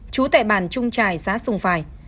chú tại bản trung trải xã sùng phài